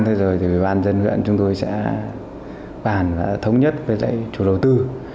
thế rồi thì ủy ban dân huyện chúng tôi sẽ bàn và thống nhất với chủ đầu tư